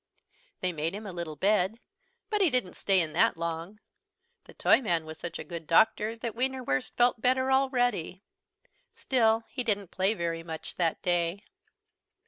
They made him a little bed, but he didn't stay in that long. The Toyman was such a good doctor that Wienerwurst felt better already. Still he didn't play very much that day.